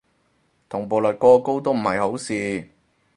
同步率過高都唔係好事